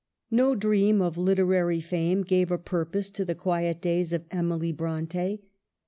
No dream of literary fame gave a purpose to the quiet days of Emily Bronte.